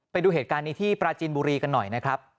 ไปดูเหตุการณ์นี้ที่ปราจีนบุรีกันหน่อยนะครับ